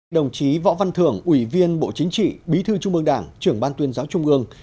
đồng chí võ văn thưởng ủy viên bộ chính trị bí thư trung ương đảng trưởng ban tuyên giáo trung ương